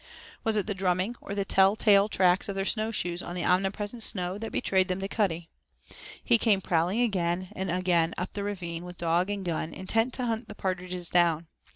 Was it the drumming, or the tell tale tracks of their snow shoes on the omnipresent snow, that betrayed them to Cuddy? He came prowling again and again up the ravine, with dog and gun, intent to hunt the partridges down.